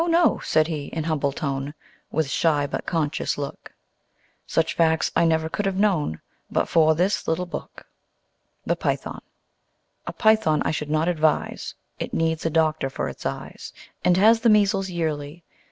no," said he, in humble tone, With shy but conscious look, "Such facts I never could have known But for this little book." The Python A Python I should not advise, It needs a doctor for its eyes, And has the measles yearly.